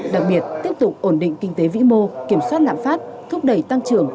đặc biệt tiếp tục ổn định kinh tế vĩ mô kiểm soát lạm phát thúc đẩy tăng trưởng